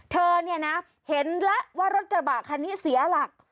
เธอเนี่ยนะเห็นแล้วว่ารถกระบะคันนี้เสียหลัก